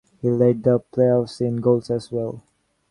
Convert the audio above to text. He led the playoffs in goals as well.